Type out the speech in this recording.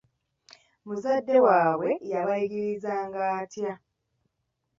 Muzadde waabwe yabayigirizanga atya?